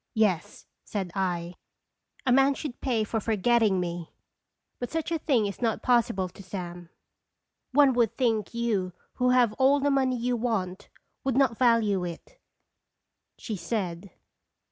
" Yes," said I. "A man should pay for for getting me. But such a thing is not possible to Sam." "One would think you, who have all the money you want, would not value it," she said.